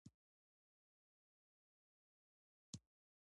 پخپله وظیفه کې د اجرااتو بریالیتوب ارزول کیږي.